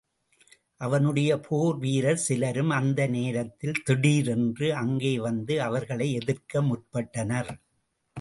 அவனுடைய போர் வீரர் சிலரும், அந்த நேரத்தில் திடீரென்று அங்கே வந்து அவர்களை எதிர்க்க முற்பட்டனர்.